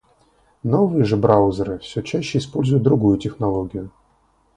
Новые же браузеры всё чаще используют другую технологию.